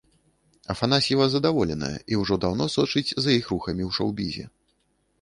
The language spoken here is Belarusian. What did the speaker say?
Афанасьева задаволеная, і ўжо даўно сочыць за іх рухамі ў шоўбізе.